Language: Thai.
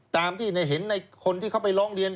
ตามที่เห็นในคนที่เขาไปร้องเรียน